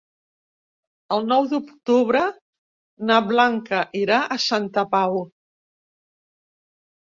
El nou d'octubre na Blanca irà a Santa Pau.